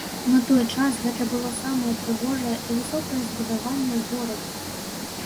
На той час гэта было самае прыгожае і высокае збудаванне ў горадзе.